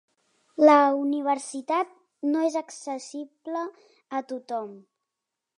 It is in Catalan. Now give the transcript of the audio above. La universitat no és accessible a tothom.